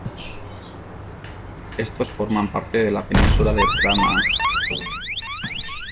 Estos forman parte de la península de Phra Nang.